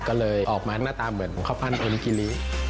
ก็เลยออกมาหน้าตาเหมือนข้าวพันธุมิกิริ